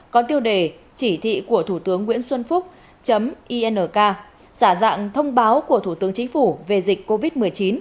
có tiêu đề chỉ thị của thủ tướng nguyễn xuân phúc ink giả dạng thông báo của thủ tướng chính phủ về dịch covid một mươi chín